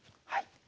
はい。